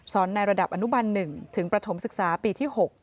ในระดับอนุบัน๑ถึงประถมศึกษาปีที่๖